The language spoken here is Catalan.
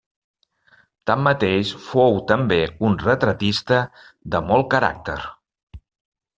Tanmateix fou també un retratista de molt caràcter.